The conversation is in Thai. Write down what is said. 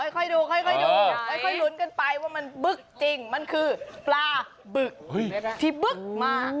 ค่อยดูลุ้นกันไปว่ามันบึกจริงมันคือปลาบึกที่บึกมา